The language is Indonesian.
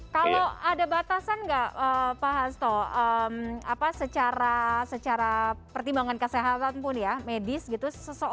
kalau ada batasan nggak pak hasto secara pertimbangan kesehatan pun ya medis gitu